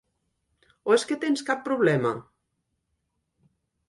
O és que tens cap problema?